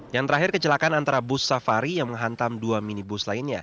yang terakhir kecelakaan antara bus safari yang menghantam dua minibus lainnya